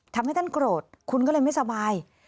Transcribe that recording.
ทำให้ท่านโกรธคุณก็เลยไม่สบาย